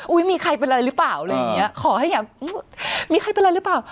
มีใครเป็นอะไรหรือเปล่าอะไรอย่างเงี้ยขอให้อย่ามีใครเป็นอะไรหรือเปล่า